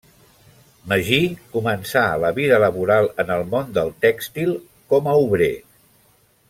Magí començà la vida laboral en el món del tèxtil com a obrer.